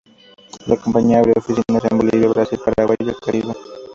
La compañía abrió oficinas en Bolivia, Brasil, Paraguay el Caribe.